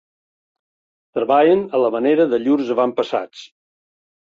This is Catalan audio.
Treballen a la manera de llurs avantpassats.